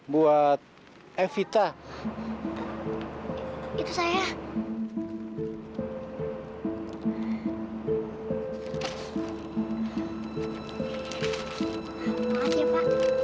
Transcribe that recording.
non ada kiriman nih